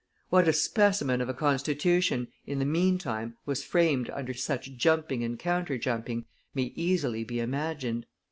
What a specimen of a Constitution, in the meantime, was framed under such jumping and counter jumping, may easily be imagined.